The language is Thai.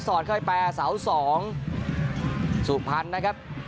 สอดข้าไปแปลเสา๒สูบพันธุ์นะครับ